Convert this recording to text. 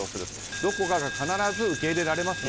どこかが必ず受け入れられますよ